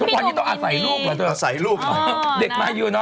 คุณต้องอาศัยรูปก่อนเด็กมายุ่นเนอะ